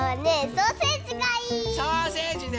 ソーセージね！